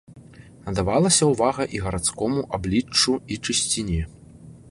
Надавалася ўвага і гарадскому абліччу і чысціні.